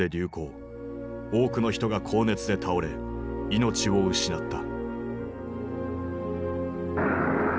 多くの人が高熱で倒れ命を失った。